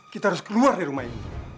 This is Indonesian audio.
kita harus keluar di rumah ini